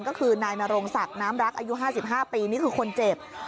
ก็คือนายนรงศักดิ์น้ำรักอายุ๕๕ปีนี่คือคนเจ็บ